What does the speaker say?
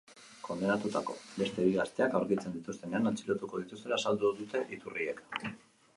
Kondenatutako beste bi gazteak aurkitzen dituztenean atxilotuko dituztela azaldu dute iturriek.